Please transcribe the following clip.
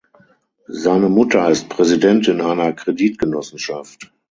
Seine Mutter ist Präsidentin einer Kreditgenossenschaft.